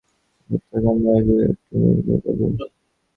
আমাদের কৈলাসচন্দ্র রায় চৌধুরী সেই প্রখ্যাতযশ নয়নজোড়ের একটি নির্বাপিত বাবু।